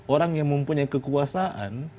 orang yang mempunyai kekuasaan